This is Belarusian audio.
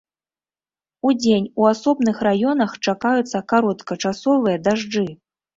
Удзень у асобных раёнах чакаюцца кароткачасовыя дажджы.